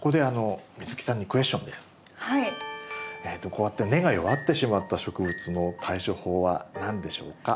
こうやって根が弱ってしまった植物の対処法は何でしょうか？